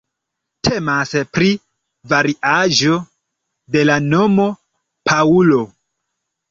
Temas pri variaĵo de la nomo "Paŭlo".